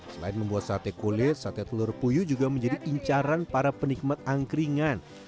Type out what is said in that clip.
selain membuat sate kulit sate telur puyuh juga menjadi incaran para penikmat angkringan